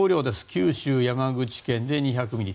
九州、山口県で２００ミリ。